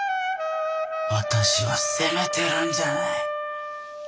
私は責めてるんじゃない。